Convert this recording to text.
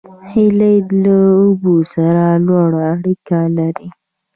هیلۍ له اوبو سره لوړه اړیکه لري